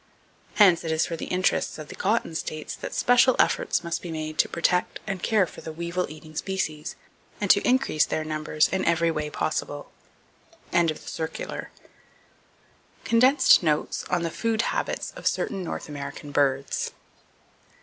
Hence it is for the interests of the cotton states that special efforts be made to protect and care for the weevil eating species, and to increase their numbers in every way possible.—(End of the circular.) Condensed Notes On The Food Habits Of Certain North American Birds.